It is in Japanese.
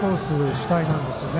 主体なんですよね。